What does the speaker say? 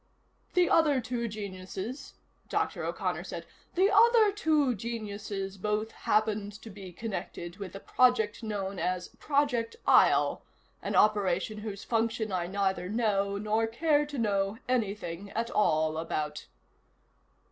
"The other two geniuses," Dr. O'Connor said, "the other two geniuses both happen to be connected with the project known as Project Isle an operation whose function I neither know, nor care to know, anything at all about."